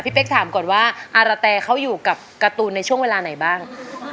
เป๊กถามก่อนว่าอาระแตเขาอยู่กับการ์ตูนในช่วงเวลาไหนบ้าง